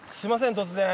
突然。